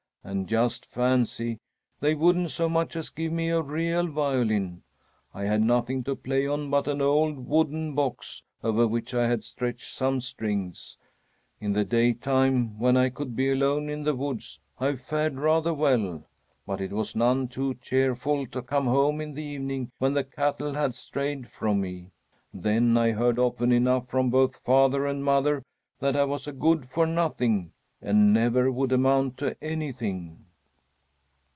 And just fancy! they wouldn't so much as give me a real violin. I had nothing to play on but an old wooden box over which I had stretched some strings. In the daytime, when I could be alone in the woods, I fared rather well; but it was none too cheerful to come home in the evening when the cattle had strayed from me! Then I heard often enough, from both father and mother, that I was a good for nothing and never would amount to anything."